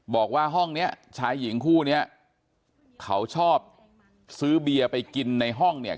บอกว่าห้องเนี้ยชายหญิงคู่เนี้ยเขาชอบซื้อเบียร์ไปกินในห้องเนี่ย